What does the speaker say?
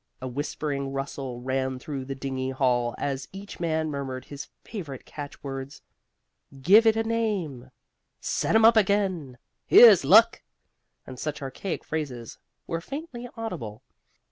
A whispering rustle ran through the dingy hall as each man murmured his favorite catchwords. "Give it a name," "Set 'em up again," "Here's luck," and such archaic phrases were faintly audible.